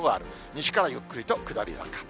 西からゆっくりと下り坂。